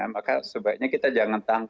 maka sebaiknya kita jangan takut